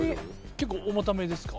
結構重ためですか？